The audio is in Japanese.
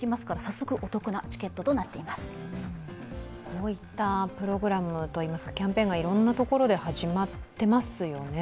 こういったプログラムといいますか、キャンペーンがいろんなところで始まってますよね。